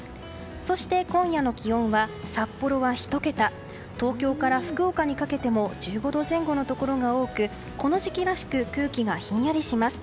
そして、今夜の気温は札幌は１桁東京から福岡にかけても１５度前後のところが多くこの時期らしく空気がひんやりします。